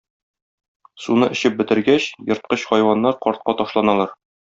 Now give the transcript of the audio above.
Суны эчеп бетергәч, ерткыч хайваннар картка ташланалар.